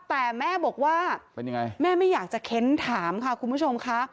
แต่แม่บอกว่าเป็นยังไงแม่ไม่อยากจะเค้นถามค่ะคุณผู้ชมค่ะ